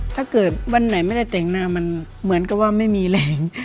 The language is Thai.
ถ้าเกิดวันไหนไม่ได้แต่งหน้ามันเหมือนกับว่าไม่มีแรง